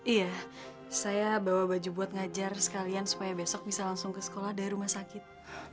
iya saya bawa baju buat ngajar sekalian supaya besok bisa langsung ke sekolah dari rumah sakit